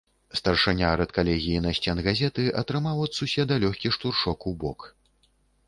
Старшыня рэдкалегіі насценгазеты атрымаў ад суседа лёгкі штуршок у бок.